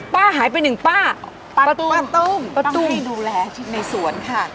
ป้าหายไปหนึ่งป้าป่าป้าตุ้มต้องไปดูแลในสวนค่ะ